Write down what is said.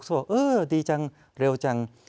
สมมุติว่าดีจังเร็วจัง